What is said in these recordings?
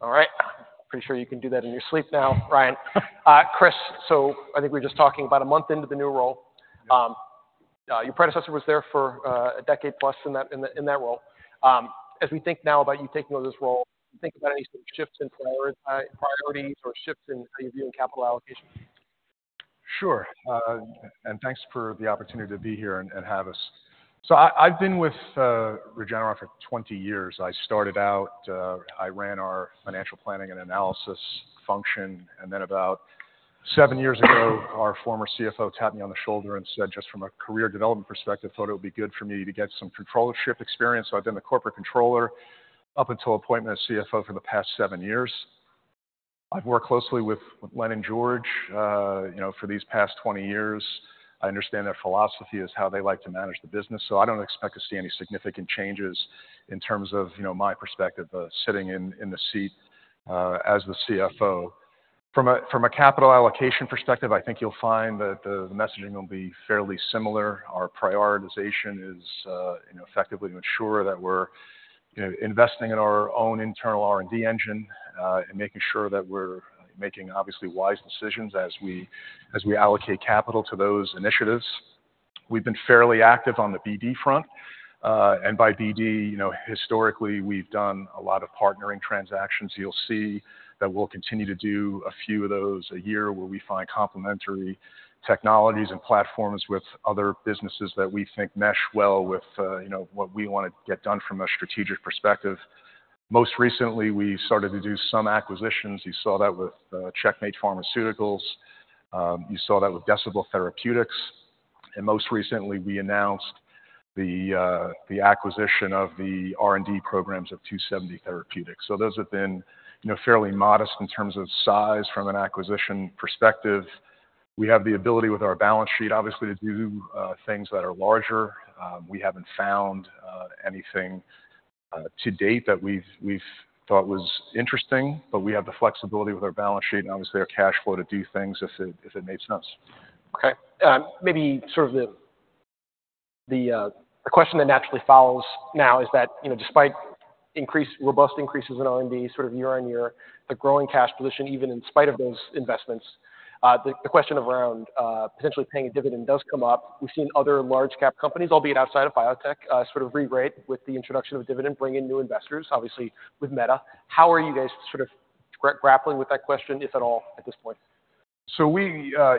All right, pretty sure you can do that in your sleep now, Ryan. Chris, so I think we were just talking about a month into the new role. Your predecessor was there for a decade-plus in that role. As we think now about you taking on this role, do you think about any sort of shifts in priorities or shifts in how you view capital allocation? Sure, and thanks for the opportunity to be here and have us. So I've been with Regeneron for 20 years. I started out, I ran our financial planning and analysis function, and then about 7 years ago, our former CFO tapped me on the shoulder and said, "Just from a career development perspective, I thought it would be good for me to get some controllership experience." So I've been the corporate controller up until appointment as CFO for the past 7 years. I've worked closely with Len and George for these past 20 years. I understand their philosophy is how they like to manage the business, so I don't expect to see any significant changes in terms of my perspective, sitting in the seat as the CFO. From a capital allocation perspective, I think you'll find that the messaging will be fairly similar. Our prioritization is effectively to ensure that we're investing in our own internal R&D engine and making sure that we're making, obviously, wise decisions as we allocate capital to those initiatives. We've been fairly active on the BD front, and by BD, historically, we've done a lot of partnering transactions. You'll see that we'll continue to do a few of those a year where we find complementary technologies and platforms with other businesses that we think mesh well with what we want to get done from a strategic perspective. Most recently, we started to do some acquisitions. You saw that with Checkmate Pharmaceuticals. You saw that with Decibel Therapeutics. And most recently, we announced the acquisition of the R&D programs of 270 Therapeutics. So those have been fairly modest in terms of size from an acquisition perspective. We have the ability with our balance sheet, obviously, to do things that are larger. We haven't found anything to date that we've thought was interesting, but we have the flexibility with our balance sheet and, obviously, our cash flow to do things if it makes sense. Okay. Maybe sort of the question that naturally follows now is that despite robust increases in R&D sort of year-over-year, the growing cash position, even in spite of those investments, the question around potentially paying a dividend does come up. We've seen other large-cap companies, albeit outside of biotech, sort of re-rate with the introduction of a dividend, bring in new investors, obviously with Meta. How are you guys sort of grappling with that question, if at all, at this point? So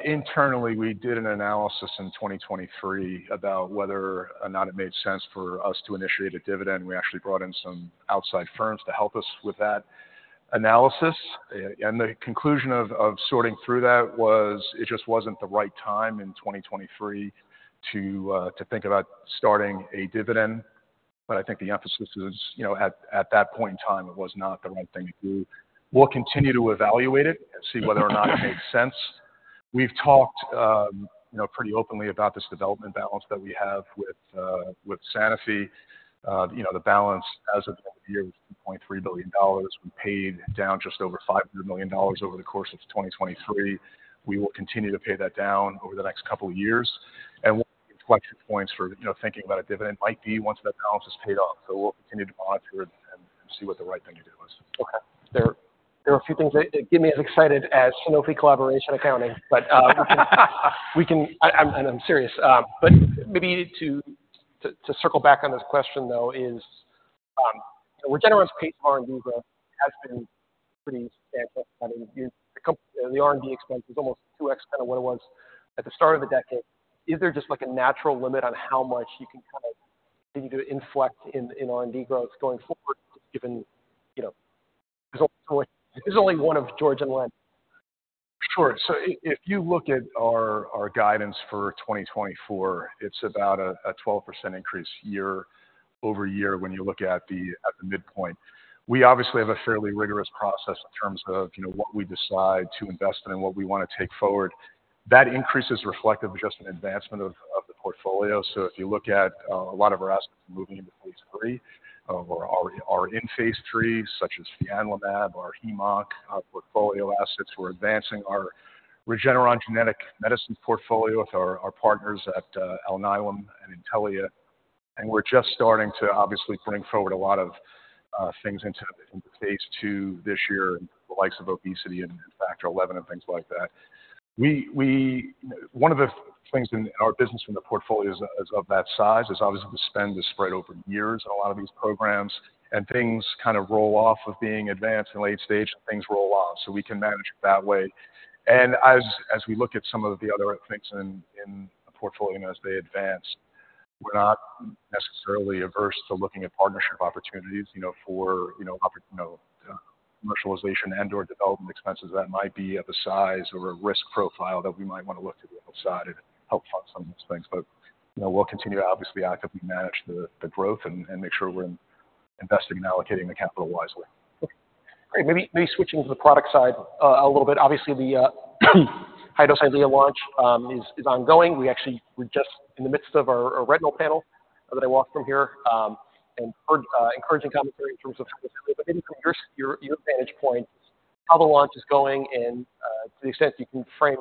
internally, we did an analysis in 2023 about whether or not it made sense for us to initiate a dividend. We actually brought in some outside firms to help us with that analysis. The conclusion of sorting through that was it just wasn't the right time in 2023 to think about starting a dividend, but I think the emphasis is at that point in time, it was not the right thing to do. We'll continue to evaluate it and see whether or not it makes sense. We've talked pretty openly about this development balance that we have with Sanofi. The balance, as of the end of the year, was $2.3 billion. We paid down just over $500 million over the course of 2023. We will continue to pay that down over the next couple of years. One of the inflection points for thinking about a dividend might be once that balance is paid off. We'll continue to monitor and see what the right thing to do is. Okay. There are a few things that get me as excited as Sanofi collaboration accounting, but we can, and I'm serious. But maybe to circle back on this question, though, is Regeneron's pace of R&D growth has been pretty substantial. I mean, the R&D expense is almost 2X kind of what it was at the start of the decade. Is there just a natural limit on how much you can kind of continue to inflect in R&D growth going forward, just given there's only one of George and Len? Sure. So if you look at our guidance for 2024, it's about a 12% increase year-over-year when you look at the midpoint. We obviously have a fairly rigorous process in terms of what we decide to invest in and what we want to take forward. That increase is reflective of just an advancement of the portfolio. So if you look at a lot of our assets moving into phase three, or are in phase three, such as fianlimab, our Hem-Onc portfolio assets, we're advancing our Regeneron genetic medicine portfolio with our partners at Alnylam and Intellia. And we're just starting to, obviously, bring forward a lot of things into phase two this year and the likes of Obesity and Factor XI and things like that. One of the things in our business and the portfolios of that size is, obviously, the spend is spread over years in a lot of these programs, and things kind of roll off of being advanced in late stage, and things roll off, so we can manage it that way. As we look at some of the other things in the portfolio as they advance, we're not necessarily averse to looking at partnership opportunities for commercialization and/or development expenses. That might be of a size or a risk profile that we might want to look to the outside and help fund some of those things. We'll continue, obviously, actively manage the growth and make sure we're investing and allocating the capital wisely. Okay. Great. Maybe switching to the product side a little bit. Obviously, the EYLEA HD launch is ongoing. We're just in the midst of our retinal panel that I walked from here and heard encouraging commentary in terms of EYLEA HD. But maybe from your vantage point, how the launch is going and to the extent you can frame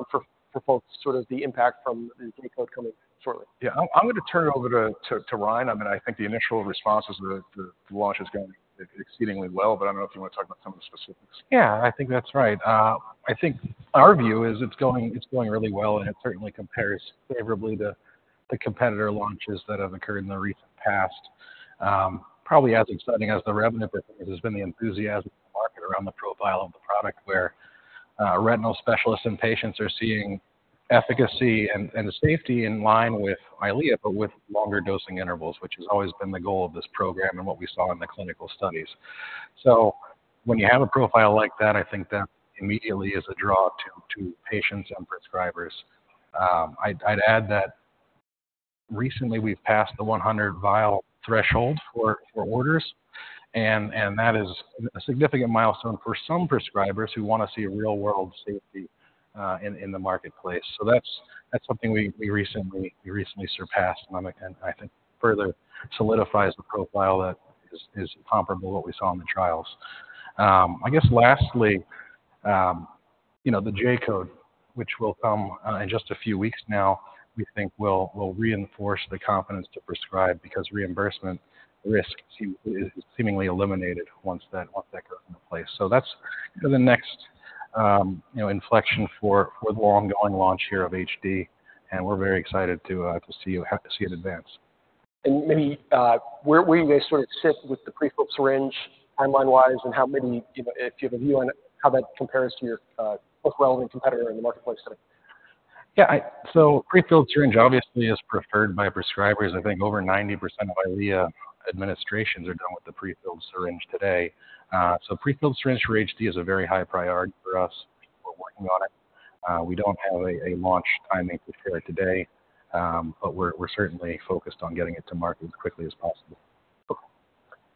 for folks sort of the impact from the readout coming shortly. Yeah. I'm going to turn it over to Ryan. I mean, I think the initial response was that the launch is going exceedingly well, but I don't know if you want to talk about some of the specifics. Yeah, I think that's right. I think our view is it's going really well, and it certainly compares favorably to the competitor launches that have occurred in the recent past. Probably as exciting as the revenue performance has been the enthusiasm in the market around the profile of the product where retinal specialists and patients are seeing efficacy and safety in line with EYLEA, but with longer dosing intervals, which has always been the goal of this program and what we saw in the clinical studies. So when you have a profile like that, I think that immediately is a draw to patients and prescribers. I'd add that recently, we've passed the 100-vial threshold for orders, and that is a significant milestone for some prescribers who want to see real-world safety in the marketplace. So that's something we recently surpassed, and I think further solidifies the profile that is comparable to what we saw in the trials. I guess lastly, the J-code, which will come in just a few weeks now, we think will reinforce the confidence to prescribe because reimbursement risk is seemingly eliminated once that goes into place. So that's the next inflection for the ongoing launch here of HD, and we're very excited to see it advance. Maybe where do you guys sort of sit with the prefilled syringe timeline-wise and how many if you have a view on how that compares to your most relevant competitor in the marketplace today? Yeah. Prefilled syringe, obviously, is preferred by prescribers. I think over 90% of EYLEA administrations are done with the prefilled syringe today. Prefilled syringe for HD is a very high priority for us. We're working on it. We don't have a launch timing to share today, but we're certainly focused on getting it to market as quickly as possible.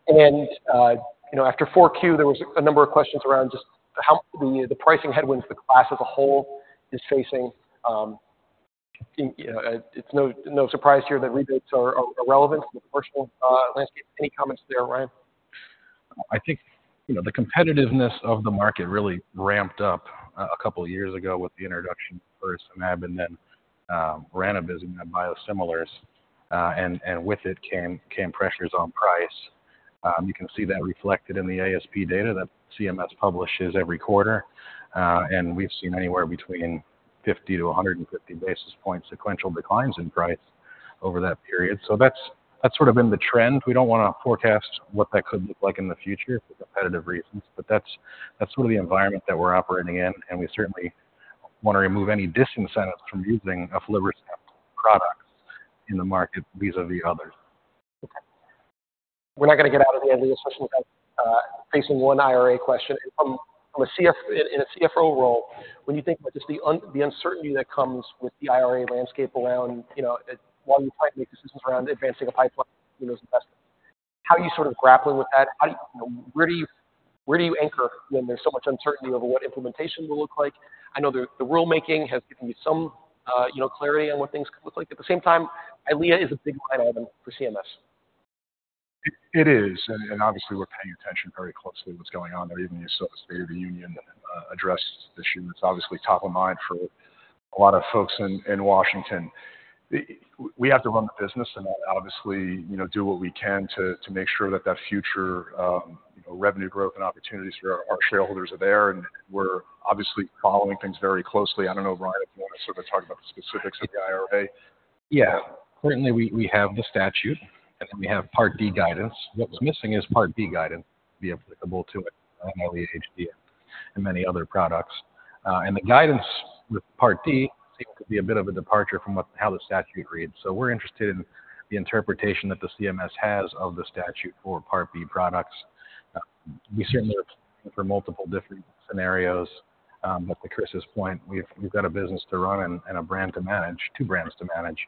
Okay. After 4Q, there was a number of questions around just the pricing headwinds the class as a whole is facing. It's no surprise here that rebates are relevant to the commercial landscape. Any comments there, Ryan? I think the competitiveness of the market really ramped up a couple of years ago with the introduction of FirstMab and then ranibizumab and then biosimilars, and with it came pressures on price. You can see that reflected in the ASP data that CMS publishes every quarter, and we've seen anywhere between 50-150 basis points sequential declines in price over that period. So that's sort of been the trend. We don't want to forecast what that could look like in the future for competitive reasons, but that's sort of the environment that we're operating in, and we certainly want to remove any disincentives from using a flavor sample product in the market vis-à-vis others. Okay. We're not going to get out of the EYLEA, especially without facing one IRA question. From a CFO role, when you think about just the uncertainty that comes with the IRA landscape while you're trying to make decisions around advancing a pipeline in those investments, how are you sort of grappling with that? Where do you anchor when there's so much uncertainty over what implementation will look like? I know the rulemaking has given you some clarity on what things could look like. At the same time, EYLEA is a big line item for CMS. It is, and obviously, we're paying attention very closely to what's going on there. Even you saw the State of the Union address this issue. It's obviously top of mind for a lot of folks in Washington. We have to run the business and obviously do what we can to make sure that that future revenue growth and opportunities for our shareholders are there, and we're obviously following things very closely. I don't know, Ryan, if you want to sort of talk about the specifics of the IRA. Yeah. Currently, we have the statute, and then we have Part D guidance. What's missing is Part B guidance to be applicable to EYLEA HD and many other products. The guidance with Part D seems to be a bit of a departure from how the statute reads. We're interested in the interpretation that the CMS has of the statute for Part B products. We certainly are planning for multiple different scenarios, but to Chris's point, we've got a business to run and a brand to manage, two brands to manage,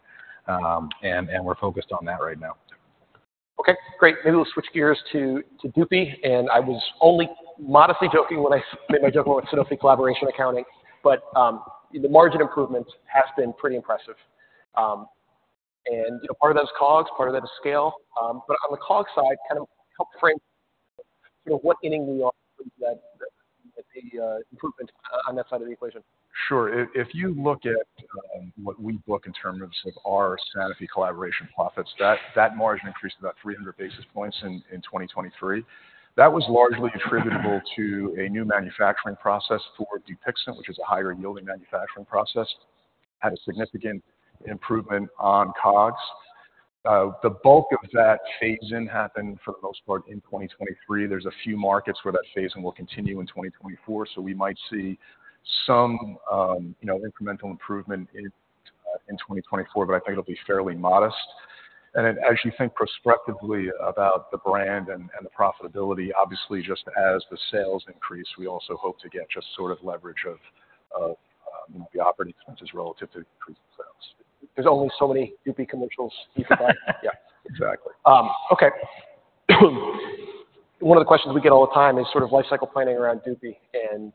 and we're focused on that right now. Okay. Great. Maybe we'll switch gears to Dupixent. I was only modestly joking when I made my joke about Sanofi collaboration accounting, but the margin improvement has been pretty impressive. Part of that is COGS, part of that is scale. On the COGS side, kind of help frame sort of what inning we are in the improvement on that side of the equation. Sure. If you look at what we book in terms of our Sanofi collaboration profits, that margin increased about 300 basis points in 2023. That was largely attributable to a new manufacturing process for Dupixent, which is a higher-yielding manufacturing process. Had a significant improvement on COGS. The bulk of that phase-in happened for the most part in 2023. There's a few markets where that phase-in will continue in 2024, so we might see some incremental improvement in 2024, but I think it'll be fairly modest. And then as you think prospectively about the brand and the profitability, obviously, just as the sales increase, we also hope to get just sort of leverage of the operating expenses relative to increasing sales. There's only so many Dupixent commercials you can buy. Yeah. Exactly. Okay. One of the questions we get all the time is sort of lifecycle planning around Dupixent. And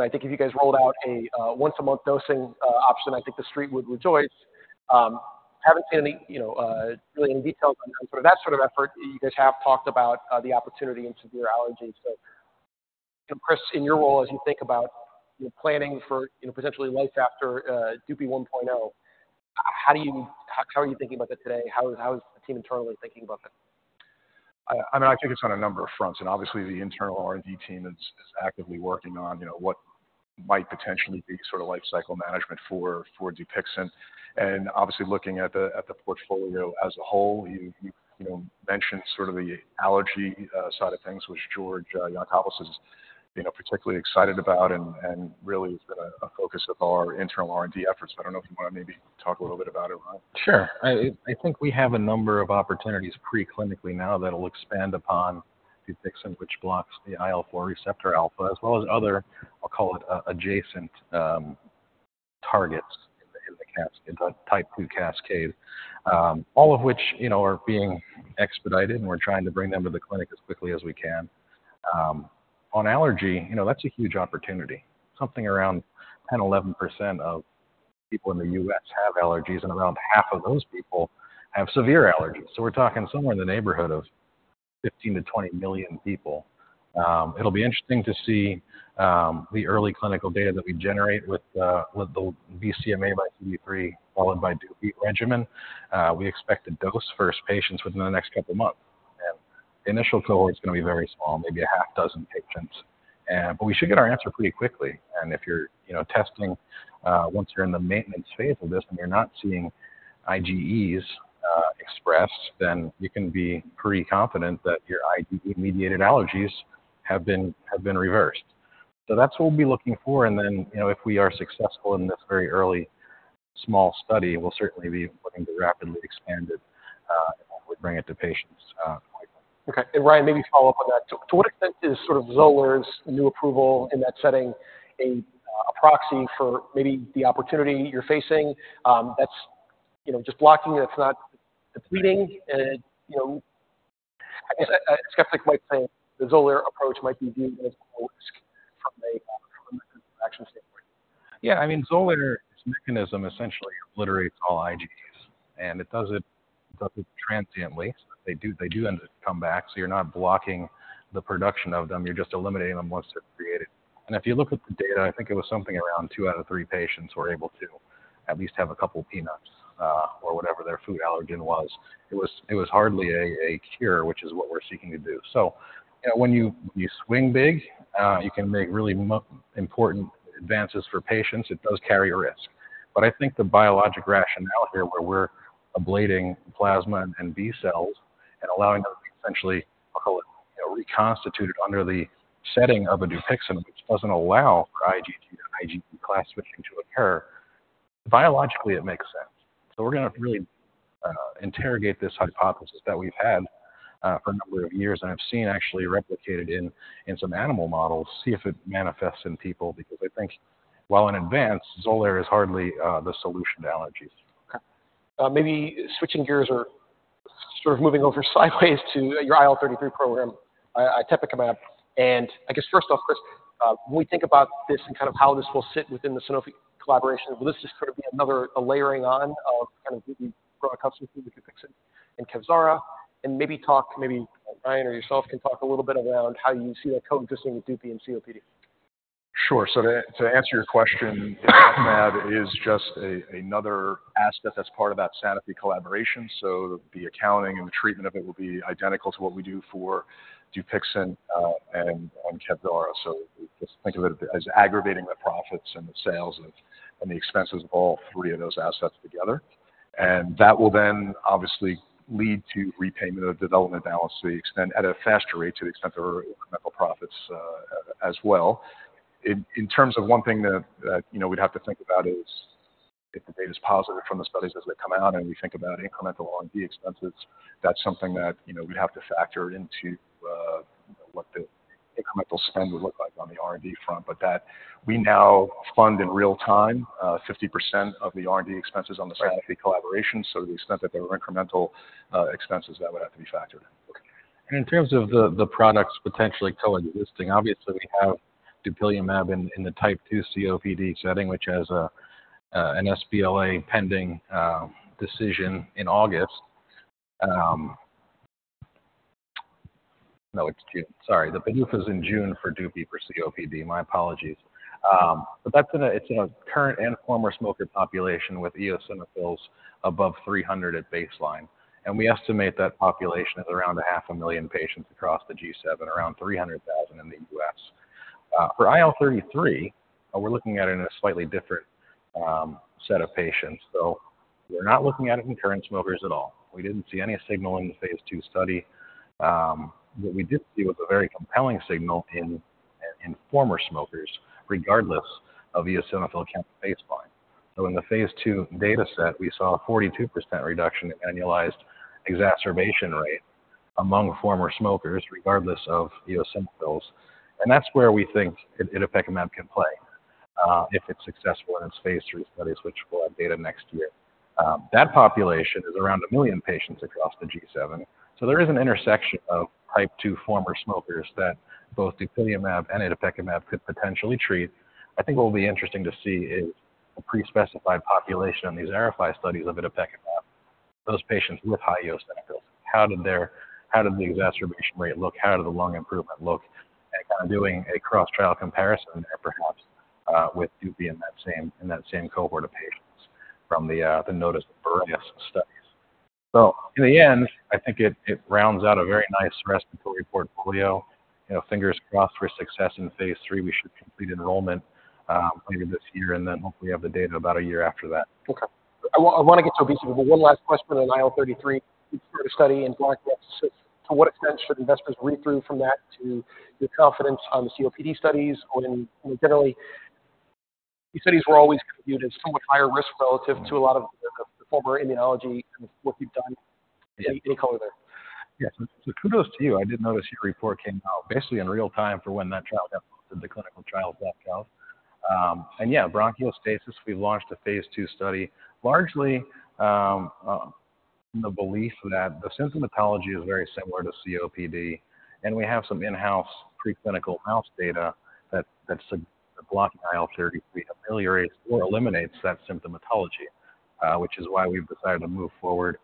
I think if you guys rolled out a once-a-month dosing option, I think the street would rejoice. Haven't seen really any details on sort of that sort of effort. You guys have talked about the opportunity in severe allergies. So Chris, in your role, as you think about planning for potentially life after Dupixent 1.0, how are you thinking about that today? How is the team internally thinking about that? I mean, I think it's on a number of fronts, and obviously, the internal R&D team is actively working on what might potentially be sort of lifecycle management for Dupixent. Obviously, looking at the portfolio as a whole, you mentioned sort of the allergy side of things, which George Yancopoulos is particularly excited about and really has been a focus of our internal R&D efforts. But I don't know if you want to maybe talk a little bit about it, Ryan. Sure. I think we have a number of opportunities preclinically now that'll expand upon Dupixent, which blocks the IL-4 receptor alpha, as well as other, I'll call it, adjacent targets in the Type 2 cascade, all of which are being expedited, and we're trying to bring them to the clinic as quickly as we can. On allergy, that's a huge opportunity. Something around 10%-11% of people in the U.S. have allergies, and around half of those people have severe allergies. So we're talking somewhere in the neighborhood of 15-20 million people. It'll be interesting to see the early clinical data that we generate with the BCMA x CD3 followed by Dupixent regimen. We expect to dose first patients within the next couple of months, and the initial cohort's going to be very small, maybe a half dozen patients. But we should get our answer pretty quickly. If you're testing once you're in the maintenance phase of this and you're not seeing IgEs expressed, then you can be pretty confident that your IgE-mediated allergies have been reversed. That's what we'll be looking for. Then if we are successful in this very early small study, we'll certainly be looking to rapidly expand it and hopefully bring it to patients quite quickly. Okay. And Ryan, maybe follow up on that. To what extent is sort of Xolair's new approval in that setting a proxy for maybe the opportunity you're facing that's just blocking it, it's not depleting? I guess I skeptically might say the Xolair approach might be viewed as low risk from a mechanism of action standpoint. Yeah. I mean, Xolair's mechanism essentially obliterates all IgEs, and it does it transiently, so they do end up coming back. So you're not blocking the production of them. You're just eliminating them once they're created. And if you look at the data, I think it was something around two out of three patients were able to at least have a couple of peanuts or whatever their food allergen was. It was hardly a cure, which is what we're seeking to do. So when you swing big, you can make really important advances for patients. It does carry a risk. But I think the biologic rationale here where we're ablating plasma and B cells and allowing them to be essentially, I'll call it, reconstituted under the setting of a Dupixent, which doesn't allow for IgG to IgE class switching to occur, biologically, it makes sense. So we're going to really interrogate this hypothesis that we've had for a number of years and have seen actually replicated in some animal models, see if it manifests in people, because I think while advanced, Xolair is hardly the solution to allergies. Okay. Maybe switching gears or sort of moving over sideways to your IL-33 program, itepekimab. And I guess first off, Chris, when we think about this and kind of how this will sit within the Sanofi collaboration, will this just sort of be another layering on of kind of Dupixent brought customer through with Dupixent and Kevzara? And maybe talk maybe Ryan or yourself can talk a little bit around how you see that coexisting with Dupixent and COPD. Sure. So to answer your question, itepekimab is just another aspect that's part of that Sanofi collaboration. So the accounting and the treatment of it will be identical to what we do for Dupixent and Kevzara. So just think of it as aggregating the profits and the sales and the expenses of all three of those assets together. And that will then obviously lead to repayment of development balance to the extent at a faster rate to the extent of incremental profits as well. In terms of one thing that we'd have to think about is if the data's positive from the studies as they come out and we think about incremental R&D expenses, that's something that we'd have to factor into what the incremental spend would look like on the R&D front. But we now fund in real time 50% of the R&D expenses on the Sanofi collaboration. To the extent that there are incremental expenses, that would have to be factored in. Okay. In terms of the products potentially coexisting, obviously, we have dupilumab in the Type 2 COPD setting, which has an sBLA pending decision in August. No, it's June. Sorry. The PDUFA is in June for Dupixent for COPD. My apologies. But it's in a current and former smoker population with eosinophils above 300 at baseline. We estimate that population is around 500,000 patients across the G7, around 300,000 in the US. For IL-33, we're looking at it in a slightly different set of patients. We're not looking at it in current smokers at all. We didn't see any signal in the phase 2 study. What we did see was a very compelling signal in former smokers regardless of eosinophil count at baseline. In the phase 2 dataset, we saw a 42% reduction in annualized exacerbation rate among former smokers regardless of eosinophils. That's where we think itepekimab can play if it's successful in its phase 3 studies, which we'll have data next year. That population is around a million patients across the G7. So there is an intersection of Type 2 former smokers that both dupilumab and itepekimab could potentially treat. I think what will be interesting to see is a prespecified population in these RFI studies of itepekimab, those patients with high eosinophils. How did the exacerbation rate look? How did the lung improvement look? And kind of doing a cross-trial comparison there perhaps with dupilumab in that same cohort of patients from the NOTUS BOREAS studies. So in the end, I think it rounds out a very nice respiratory portfolio. Fingers crossed for success in phase 3. We should complete enrollment maybe this year, and then hopefully have the data about a year after that. Okay. I want to get to obesity, but one last question on IL-33. You started a study in bronchiectasis. To what extent should investors read through from that to your confidence on the COPD studies? Generally, these studies were always viewed as somewhat higher risk relative to a lot of the former immunology and what you've done. Any color there? Yes. So kudos to you. I did notice your report came out basically in real time for when that trial got posted to ClinicalTrials.gov. And yeah, bronchiectasis, we've launched a phase 2 study largely in the belief that the symptomatology is very similar to COPD, and we have some in-house preclinical mouse data that blocking IL-33 ameliorates or eliminates that symptomatology, which is why we've decided to move forward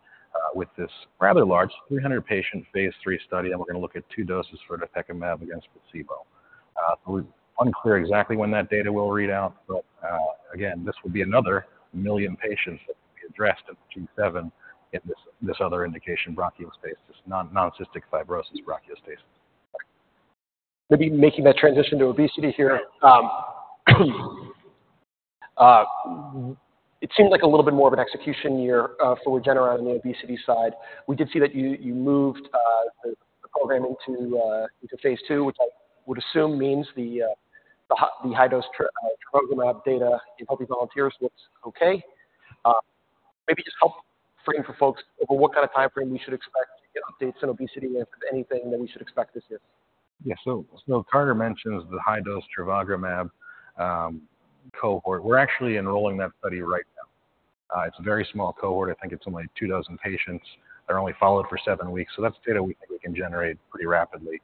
with this rather large 300-patient phase 3 study, and we're going to look at two doses for itepekimab against placebo. So it's unclear exactly when that data will read out, but again, this would be another million patients that would be addressed in G7 in this other indication, bronchiectasis, non-cystic fibrosis bronchiectasis. Maybe making that transition to obesity here. It seemed like a little bit more of an execution year for Regeneron on the obesity side. We did see that you moved the program into phase 2, which I would assume means the high-dose trevogrumab data in healthy volunteers looks okay. Maybe just help frame for folks over what kind of time frame we should expect to get updates on obesity and if anything, that we should expect this year. Yeah. So Carter mentions the high-dose trevogrumab cohort. We're actually enrolling that study right now. It's a very small cohort. I think it's only 24 patients. They're only followed for 7 weeks. So that's data we think we can generate pretty rapidly,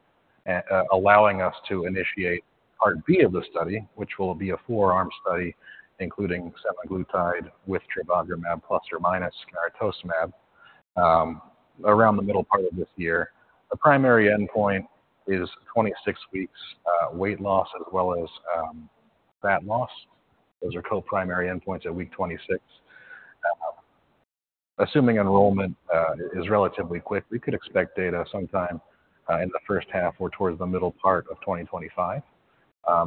allowing us to initiate Part B of the study, which will be a four-arm study including semaglutide with trevogrumab plus or minus garetosmab around the middle part of this year. The primary endpoint is 26 weeks weight loss as well as fat loss. Those are co-primary endpoints at week 26. Assuming enrollment is relatively quick, we could expect data sometime in the first half or towards the middle part of 2025.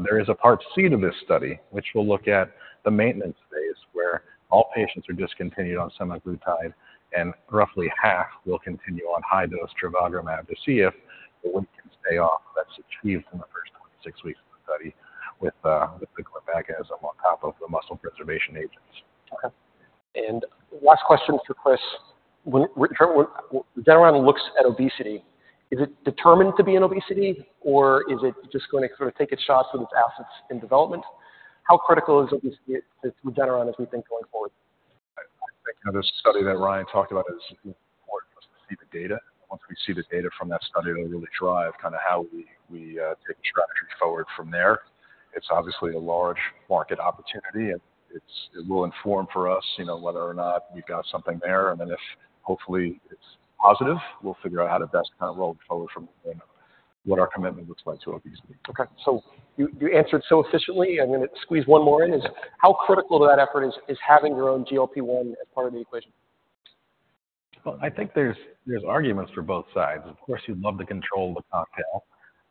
There is a Part C to this study, which will look at the maintenance phase where all patients are discontinued on semaglutide, and roughly half will continue on high-dose trevogrumab to see if the weight can stay off that's achieved in the first 26 weeks of the study with the garetosmab on top of the muscle preservation agents. Okay. Last question for Chris. Regeneron looks at obesity. Is it determined to be an obesity, or is it just going to sort of take its shots with its assets in development? How critical is obesity to Regeneron as we think going forward? I think this study that Ryan talked about is important for us to see the data. Once we see the data from that study, it'll really drive kind of how we take a strategy forward from there. It's obviously a large market opportunity, and it will inform for us whether or not we've got something there. And then if hopefully it's positive, we'll figure out how to best kind of roll forward from there and what our commitment looks like to obesity. Okay. So you answered so efficiently. I'm going to squeeze one more in. How critical of that effort is having your own GLP-1 as part of the equation? Well, I think there's arguments for both sides. Of course, you'd love to control the cocktail,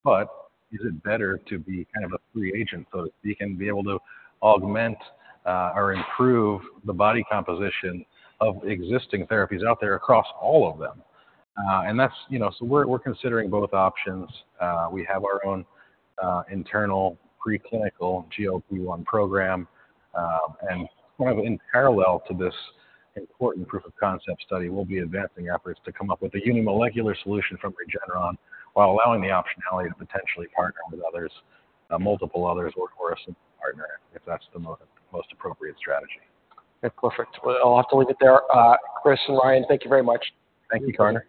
but is it better to be kind of a free agent, so to speak, and be able to augment or improve the body composition of existing therapies out there across all of them? And so we're considering both options. We have our own internal preclinical GLP-1 program. And kind of in parallel to this important proof of concept study, we'll be advancing efforts to come up with a unimolecular solution from Regeneron while allowing the optionality to potentially partner with others, multiple others, or a single partner if that's the most appropriate strategy. Okay. Perfect. Well, I'll have to leave it there. Chris and Ryan, thank you very much. Thank you, Carter.